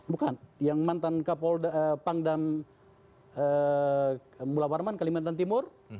bukan yang mantan kapol pangdan mula warman kalimantan timur